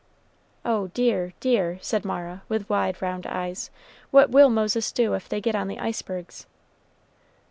"Oh, dear, dear," said Mara, with wide round eyes, "what will Moses do if they get on the icebergs?"